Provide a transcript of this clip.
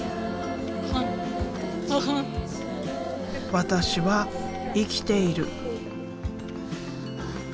私は生きている。